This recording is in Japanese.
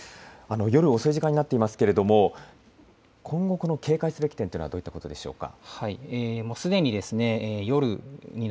夜遅い時間になっていますけれども今後、この警戒すべき点というのはどこでしょうか。